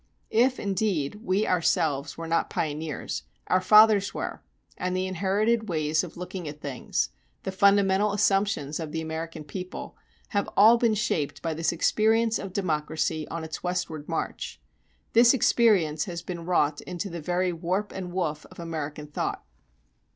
If, indeed, we ourselves were not pioneers, our fathers were, and the inherited ways of looking at things, the fundamental assumptions of the American people, have all been shaped by this experience of democracy on its westward march. This experience has been wrought into the very warp and woof of American thought.